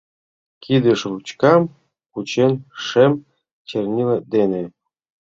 Кидыш ручкам кучен, шем чернила дене.